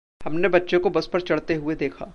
हमने बच्चे को बस पर चढ़ते हुए देखा।